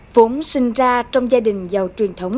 phủng sinh ra trong gia đình giàu truyền thống